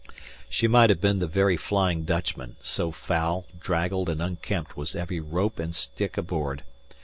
She might have been the very Flying Dutchman, so foul, draggled, and unkempt was every rope and stick aboard.